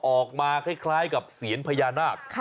ออกมาคล้ายกับเสียญพญานาค